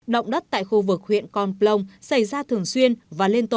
động đất tại khu vực huyện con plong xảy ra thường xuyên và liên tục